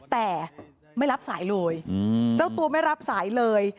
แต่ไม่รับสายเลยเจ้าตัวไม่รับสายเลย